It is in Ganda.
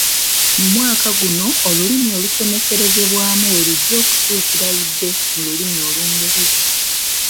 Mu mwaka guno, olulimi olusomeserezebwamu we lujja okukyukira ludde mu lulimi olungereza.